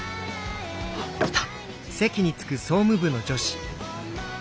あっ来た！